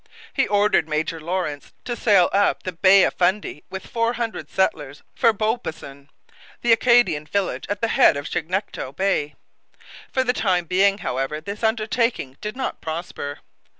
He ordered Major Lawrence to sail up the Bay of Fundy with four hundred settlers for Beaubassin, the Acadian village at the head of Chignecto Bay. For the time being, however, this undertaking did not prosper.